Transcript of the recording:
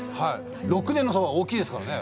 ６年の差は大きいですからね。